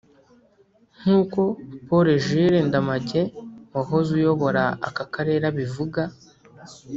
nk’uko Paul Jules Ndamage wahoze uyobora aka Karere abivuga